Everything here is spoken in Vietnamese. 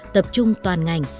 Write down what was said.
tập trung toàn ngành